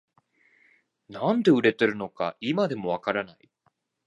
なんで売れてるのか今でもわからない